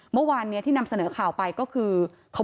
เมื่อวานที่นำเสนอข่าวไปก็คือ